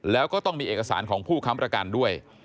แล้วก็ต้องมีเอกสารของผู้ค้ำประกันด้วย